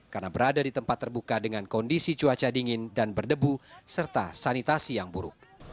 karena berada di tempat terbuka dengan kondisi cuaca dingin dan berdebu serta sanitasi yang buruk